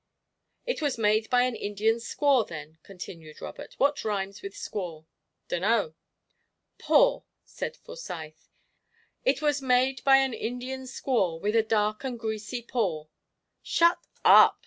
"It was made by an Indian squaw, then," continued Robert. "What rhymes with squaw?" "Dunno." "Paw," said Forsyth. "It was made by an Indian squaw With a dark and greasy paw." "Shut up!"